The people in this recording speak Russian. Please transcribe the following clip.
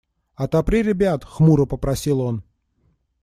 – Отопри ребят, – хмуро попросил он.